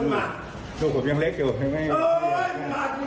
มีต่อชุมมามากล่อกลลูกไหวมันยังเล็กอยู่